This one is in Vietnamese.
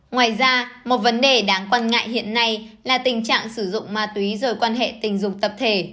ngoài ra một vấn đề đáng quan ngại hiện nay là tình trạng sử dụng ma túy rời quan hệ tình dục tập thể